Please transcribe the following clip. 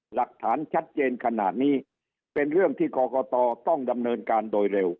หลักฐานชัดเจนขนาดนี้เป็นเรื่องที่กรกตต้องดำเนินการโดยเร็ว